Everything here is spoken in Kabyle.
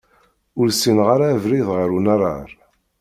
Ur ssineɣ ara abrid ɣer unarar.